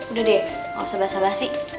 udah deh gak usah basah basih